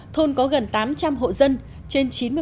thôn có gần tám trăm linh hộ dân